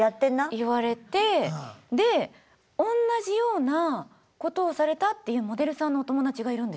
言われてでおんなじようなことをされたっていうモデルさんのお友達がいるんですよ。